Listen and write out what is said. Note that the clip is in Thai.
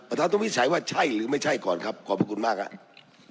ท่านต้องวิจัยว่าใช่หรือไม่ใช่ก่อนครับขอบพระคุณมากครับ